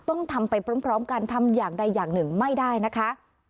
ต้องทำไปพร้อมกันทำอย่างใดอย่างหนึ่งไม่ได้นะคะ